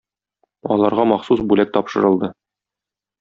Аларга махсус бүләк тапшырылды.